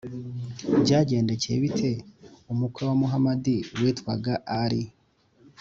byagendekeye bite umukwe wa muhamadi witwaga alī?